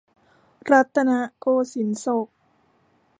รัตนโกสินทรศก